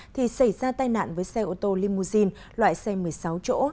thì xảy ra tai nạn với xe ô tô limousine loại xe một mươi sáu chỗ